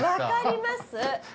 分かります。